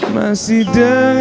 kau apa nung